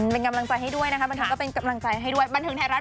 เป็นกำลังใจให้ด้วยน่ะครับบันทึงแถ่รัฐ